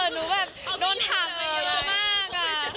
หนูแบบโดนถามไปเยอะมาก